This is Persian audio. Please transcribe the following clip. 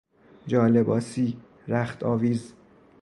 جالباسی، رخت آویز